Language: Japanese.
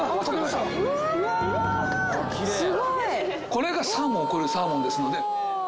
これがサーモンを超えるサーモンですので。